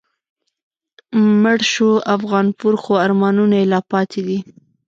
مړ شو افغانپور خو آرمانونه یې لا پاتی دي